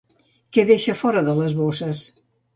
Què deixa fora de les bosses?